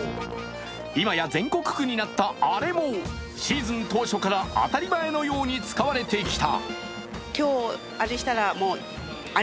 今や全国区になったアレもシーズン当初から当たり前のように使われてきた。